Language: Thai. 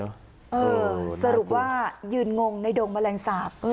เออสรุปว่ายืนงงในดงแมลงสาป